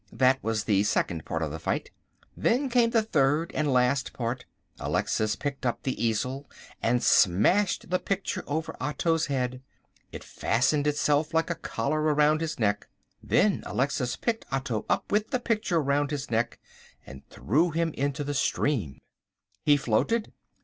That was the second part of the fight. Then came the third and last part. Alexis picked up the easel and smashed the picture over Otto's head. It fastened itself like a collar about his neck. Then Alexis picked Otto up with the picture round his neck and threw him into the stream. He floated!